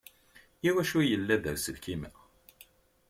Iwacu yella da uselkim-a?